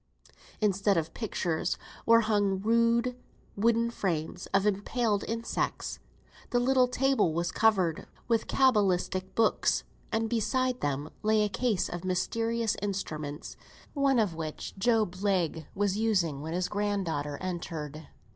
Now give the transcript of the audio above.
Instead of pictures were hung rude wooden frames of impaled insects; the little table was covered with cabalistic books; and a case of mysterious instruments lay beside, one of which Job Legh was using when his grand daughter entered.